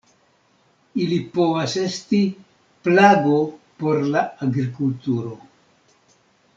Ili povas esti plago por la agrikulturo.